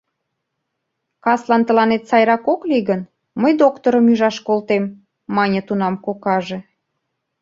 — Каслан тыланет сайрак ок лий гын, мый доктырым ӱжаш колтем, — мане тунам кокаже.